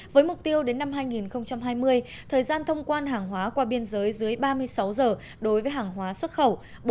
với mục tiêu đến năm hai nghìn hai mươi thời gian thông quan hàng hóa qua biên giới dưới ba mươi sáu giờ đối với hàng hóa xuất khẩu